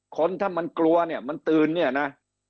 คนถ้ามันกลัวเนี่ยมันตื่นเนี่ยนะ